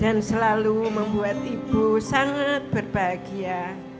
dan selalu membuat ibu sangat berbahagia